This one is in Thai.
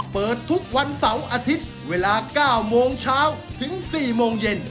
เปิดทุกวันเสาร์อาทิตย์เวลา๙โมงเช้าถึง๔โมงเย็น